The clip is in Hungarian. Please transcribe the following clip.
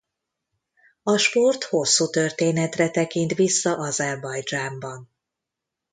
A sport hosszú történetre tekint vissza Azerbajdzsánban.